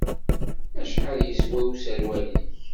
Acḥal yeswa userwal-ik?